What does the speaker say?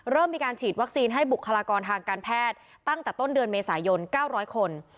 เริ่มมีการฉีดวัคซีนให้บุคลากรทางการแพทย์ตั้งแต่ต้นเดือนเมษายน๙๐๐คน